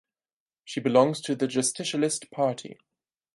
She belongs to the Justicialist Party.